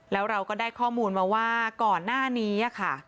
แล้วเราก็ได้ข้อมูลมาว่าก่อนหน้านี้ค่ะ